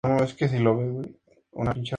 Antiguamente perteneció al municipio de Foronda.